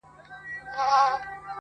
صداقت د باور بنسټ دی.